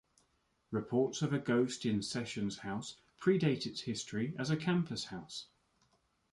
Reports of a ghost in Sessions House predate its history as a campus house.